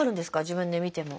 自分で見ても。